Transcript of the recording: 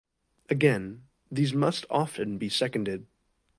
Again, these must often be seconded.